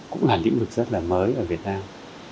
cũng là lĩnh vực rất là mới ở việt nam